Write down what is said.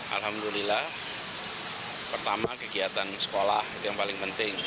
alhamdulillah pertama kegiatan sekolah itu yang paling penting